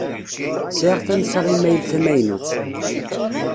Sɛiɣ tansa imayl tamaynut.